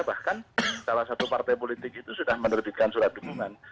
bahkan salah satu partai politik itu sudah menerbitkan surat dukungan